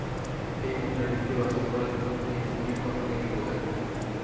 এই মুদ্রানীতি বাস্তবায়নের জন্য দুটি ঝুঁকির কথা তিনি বলেন।